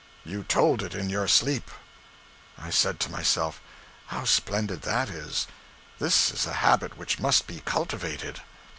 'You told it in your sleep.' I said to myself, 'How splendid that is! This is a habit which must be cultivated.'